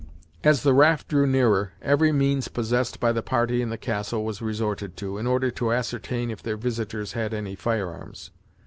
As the raft drew nearer, every means possessed by the party in the castle was resorted to, in order to ascertain if their visitors had any firearms.